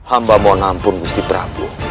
amba mau nampun gusti prabu